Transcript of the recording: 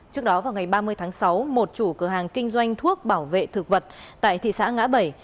trước đó vào ngày ba mươi tháng sáu một chủ cửa hàng kinh doanh thuốc bảo vệ thực vật tại thị xã ngã bảy